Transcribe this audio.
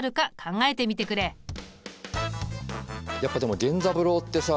やっぱでも源三郎ってさ